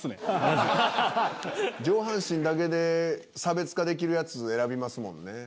上半身だけで差別化できるやつ選びますもんね。